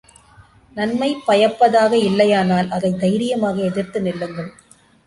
நன்மை பயப்பதாக இல்லையானால் அதைத் தைரியமாக எதிர்த்து நில்லுங்கள்.